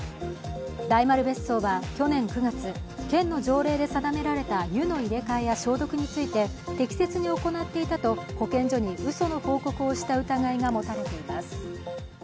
大丸別荘は去年９月、県の条例で定められた湯の入れ替えや消毒について適切に行っていたと保健所にうその報告をした疑いが持たれています。